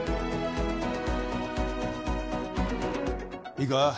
いいか？